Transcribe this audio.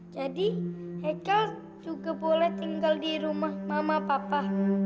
jadi hekel juga boleh tinggal di rumah mama papa